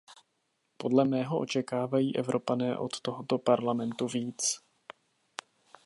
Podle mého očekávají Evropané od tohoto Parlamentu víc.